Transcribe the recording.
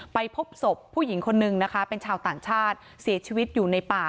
ไปพบศพผู้หญิงคนนึงนะคะเป็นชาวต่างชาติเสียชีวิตอยู่ในป่า